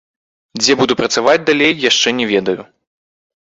Дзе буду працаваць далей яшчэ не ведаю.